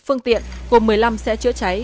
phương tiện gồm một mươi năm xe chữa cháy